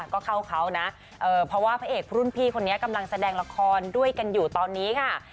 ก็เข้าเขานะเพราะว่าพระเอกรุ่นพี่คนนี้กำลังแสดงละครด้วยกันอยู่ตอนนี้ค่ะ